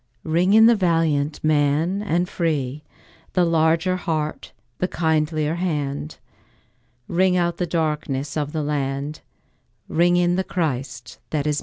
Ring in the valiant man and free, The larger heart, the kindlier hand; Ring out the darkenss of the land, Ring in the Christ that is to be.